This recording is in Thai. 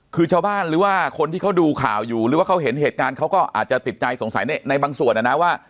คือชาวบ้านหรือว่าคนที่เขาดูข่าวอยู่หรือว่าเขาเห็นเหตุการณ์เขาก็อาจจะติดใจสงสัยในบางส่วนนะนะว่า